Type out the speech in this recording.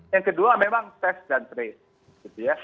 yang kedua memang test dan trace